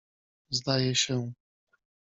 zdaje się.